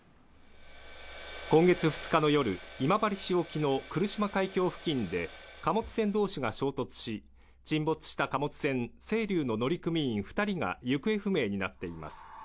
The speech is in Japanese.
今月２日の夜、今治市沖の来島海峡付近で貨物船同士が衝突し、沈没した貨物船「せいりゅう」の乗組員２人が行方不明になっています。